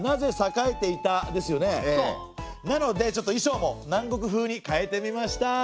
なので衣装も南国風に変えてみました！